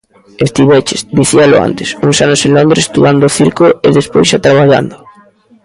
Estiveches, dicíalo antes, uns anos en Londres estudando circo e despois xa traballando.